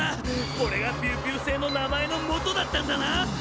これがピューピューせいのなまえのもとだったんだな。